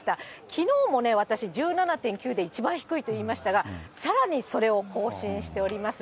きのうも私、１７．９で一番低いといいましたが、さらにそれを更新しております。